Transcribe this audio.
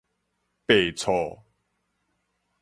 白醋